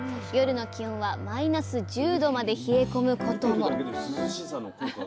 夜の気温はマイナス１０℃まで冷え込むことも。